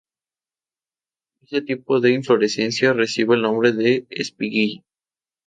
Ese tipo de inflorescencia recibe el nombre de espiguilla.